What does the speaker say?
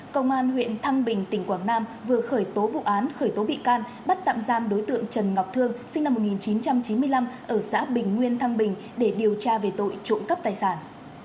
công an huyện thăng bình tỉnh quảng nam vừa khởi tố vụ án khởi tố bị can bắt tạm giam đối tượng trần ngọc thương sinh năm một nghìn chín trăm chín mươi năm ở xã bình nguyên thăng bình để điều tra về tội trộm cắp tài sản